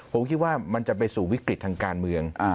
ผมคิดว่ามันจะไปสู่วิกฤตทางการเมือง